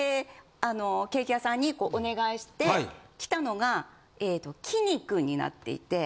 ケーキ屋さんにお願いしてきたのが「きにくん」になっていて。